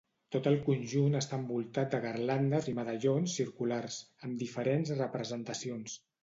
Tot el conjunt està envoltat de garlandes i medallons circulars, amb diferents representacions.